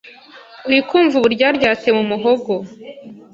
urikumva Uburyaryate mu muhogo